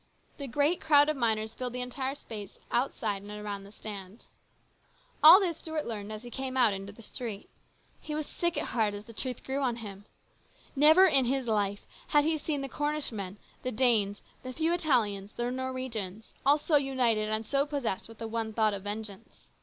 The great crowd of miners filled the entire space outside and around the stand. All this Stuart learned as he came out into the street. He was sick at heart as the truth grew on 150 HIS BROTHER'S KEEPER. him. Never in all his life had he seen the Cornish men, the Danes, the few Italians, the Norwegians, all so united and so possessed with the one thought of vengeance.